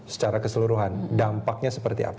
secara keseluruhan dampaknya seperti apa